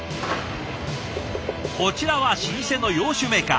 こちらは老舗の洋酒メーカー。